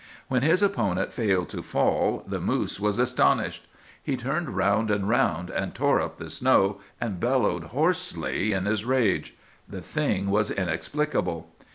"When his opponent failed to fall, the moose was astonished. He turned round and round, and tore up the snow, and bellowed hoarsely in his rage. The thing was inexplicable.